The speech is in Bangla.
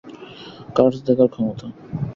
কার্স দেখার ক্ষমতা।